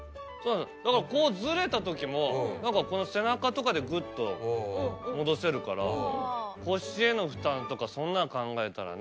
こうずれた時もこの背中とかでグッと戻せるから腰への負担とかそんなの考えたらね。